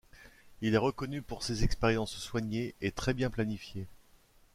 Il est reconnu pour ses expériences soignées et très bien planifiées.